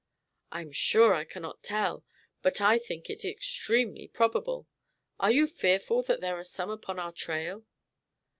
"I am sure I cannot tell, but I think it extremely probable. Are you fearful that there are some upon our trail?"